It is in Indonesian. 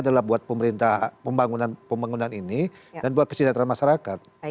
adalah buat pemerintah pembangunan pembangunan ini dan buat kesejahteraan masyarakat